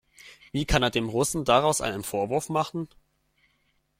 Wie kann er dem Russen daraus einen Vorwurf machen?